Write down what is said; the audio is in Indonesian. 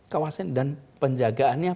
kawasan dan penjagaannya